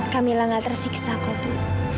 kamilah nggak tersiksa kopi